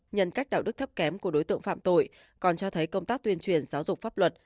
nhân cách đạo đức thấp kém của đối tượng phạm tội còn cho thấy công tác tuyên truyền giáo dục pháp luật